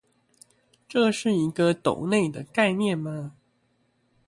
這是一個斗內的概念嗎